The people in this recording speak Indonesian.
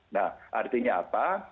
nah artinya apa